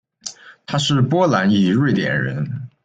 他是波兰裔瑞典人。